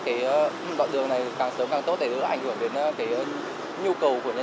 cái đoạn đường này càng sớm càng tốt để ảnh hưởng đến cái nhu cầu